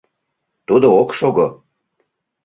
Тудо ок шого